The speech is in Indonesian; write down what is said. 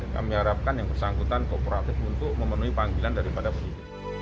kami harapkan yang bersangkutan kooperatif untuk memenuhi panggilan daripada penyidik